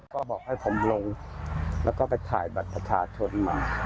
ก็บอกให้ผมลงแล้วก็ไปถ่ายบัตรประชาชนมา